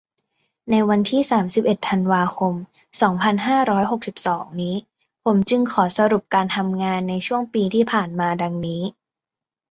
ในวันที่ สามสิบเอ็ด ธันวาคม สองพันห้าร้อยหกสิบสอง นี้ ผมจึงขอสรุปการทำงานในช่วงปีที่ผ่านมาดังนี้